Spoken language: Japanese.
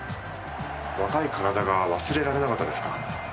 若い体が忘れられなかったですか？